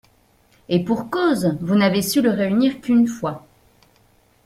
Et pour cause, vous n’avez su le réunir qu’une fois.